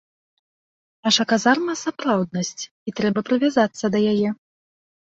Наша казарма сапраўднасць, і трэба прывязацца да яе.